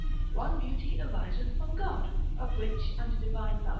One beauty ariseth from God, of which and divine love S.